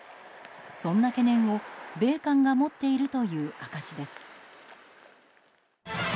そんな懸念を米韓が持っているという証しです。